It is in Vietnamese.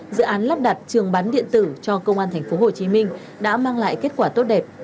dự án lắp đặt trường bán điện tử cho công an tp hcm đã mang lại kết quả tốt đẹp